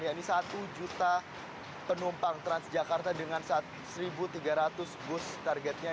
yakni satu juta penumpang trans jakarta dengan satu tiga ratus bus targetnya